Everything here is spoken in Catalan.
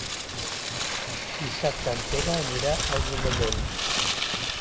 Dissabte en Pere anirà als Omellons.